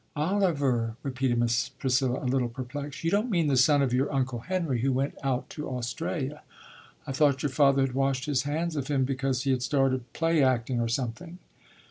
"Oliver?" repeated Miss Priscilla, a little perplexed. "You don't mean the son of your uncle Henry, who went out to Australia? I thought your father had washed his hands of him because he had started play acting or something?"